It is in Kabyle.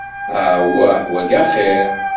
Awah, wayi axir.